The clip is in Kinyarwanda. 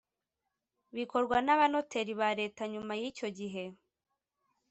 bikorwa n abanoteri ba Leta Nyuma y icyo gihe